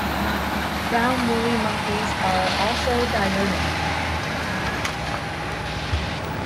Brown woolly monkeys are also diurnal.